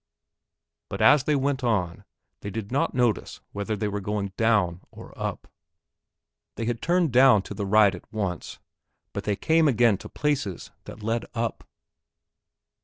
But as they went on they did not notice whether they were going down or up. They had turned down to the right at once, but they came again to places that led up.